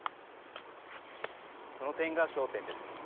その点が焦点です。